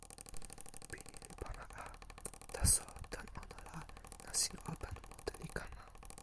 pini li pona a. taso, tan ona la, nasin open mute li kama.